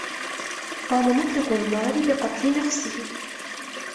قام مطلق النّار بقتل نفسه.